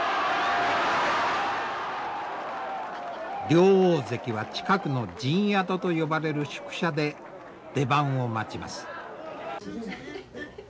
両大関は近くの陣宿と呼ばれる宿舎で出番を待ちます。